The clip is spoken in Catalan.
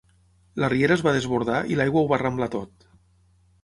La riera es va desbordar i l'aigua ho va arramblar tot.